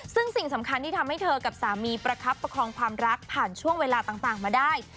ซึ่งสิ่งสำคัญที่ทำให้เธอกับสามีประคับประคองความรักผ่านช่วงเวลาต่างมาได้